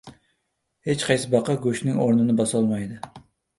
• Hech qaysi baqa go‘shtning o‘rnini bosolmaydi.